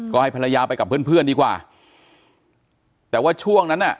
ก็ให้ภรรยาไปกับเพื่อนเพื่อนดีกว่าแต่ว่าช่วงนั้นอ่ะ